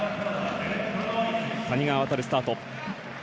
谷川航、スタート。